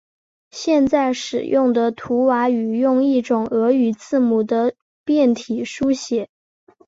现在使用的图瓦语用一种俄语字母的变体书写。